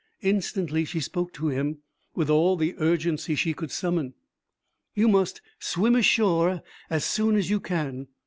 Instantly she spoke to him with all the urgency she could summon. 'You must swim ashore as soon as you can.